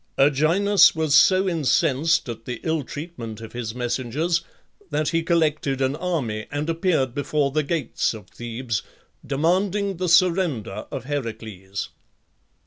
Erginus was so incensed at the ill treatment of his messengers that he collected an army and appeared before the gates of Thebes, demanding the surrender of Heracles.